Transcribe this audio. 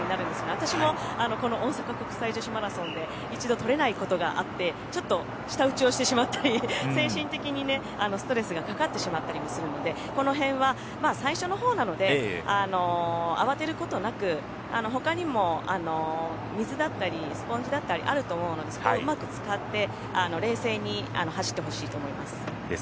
私もこの大阪国際女子マラソンで一度、取れないことがあってちょっと舌打ちをしてしまったり精神的にストレスがかかってしまったりもするのでこの辺は最初のほうなので慌てることなくほかにも水だったりスポンジだったりあると思うのでそこをうまく使って冷静に走ってほしいと思います。